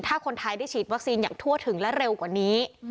ถ้าคนไทยได้ฉีดวัคซีนอย่างทั่วถึงและเร็วกว่านี้